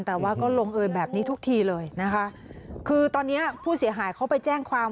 แต่ว่าก็ลงเอยแบบนี้ทุกทีเลยนะคะคือตอนเนี้ยผู้เสียหายเขาไปแจ้งความ